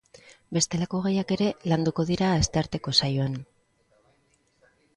Bestelako gaiak ere landuko dira astearteko saioan.